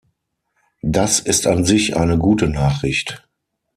Das ist an sich eine gute Nachricht.